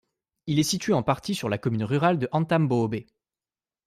Il est situé en partie sur la commune rurale de Antambohobe.